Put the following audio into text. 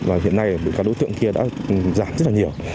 và hiện nay các đối tượng kia đã giảm rất là nhiều